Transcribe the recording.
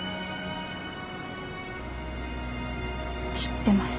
知ってます。